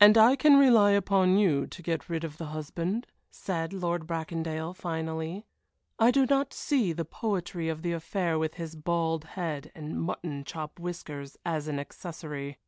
"And I can rely upon you to get rid of the husband?" said Lord Bracondale, finally. "I do not see the poetry of the affair with his bald head and mutton chop whiskers as an accessory."